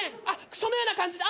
そのような感じで。